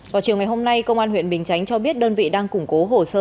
vào chiều ngày hôm nay công an huyện bình chánh cho biết đơn vị đang củng cố hồ sơ